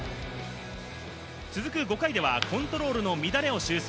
続く５回ではコントロールの乱れを修正。